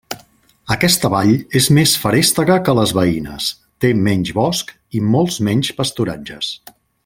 Aquesta vall és més feréstega que les veïnes, té menys bosc i molts menys pasturatges.